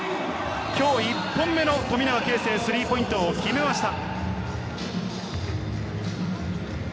今日１本目の富永啓生、スリーポイントを決めました。